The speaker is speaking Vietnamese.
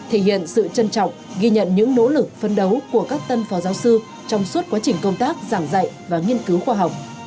học viện đã đạt được sự trân trọng ghi nhận những nỗ lực phân đấu của các tân phó giáo sư trong suốt quá trình công tác giảng dạy và nghiên cứu khoa học